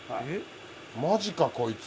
マジかこいつ。